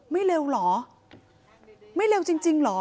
ไม่เร็วเหรอไม่เร็วจริงเหรอ